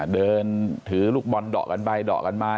เดินถือลูกบอลเดาะกันไปเดาะกันมา